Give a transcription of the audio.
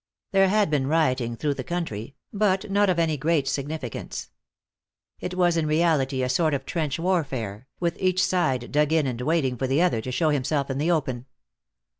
There had been rioting through the country, but not of any great significance. It was in reality a sort of trench warfare, with each side dug in and waiting for the other to show himself in the open.